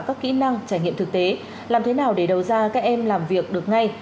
các kỹ năng trải nghiệm thực tế làm thế nào để đầu ra các em làm việc được ngay